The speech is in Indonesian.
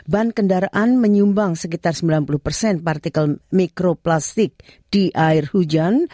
ban kendaraan menyumbang sekitar sembilan puluh persen partikel mikroplastik di air hujan